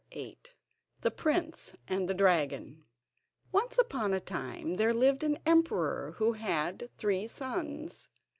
] The Prince And The Dragon Once upon a time there lived an emperor who had three sons.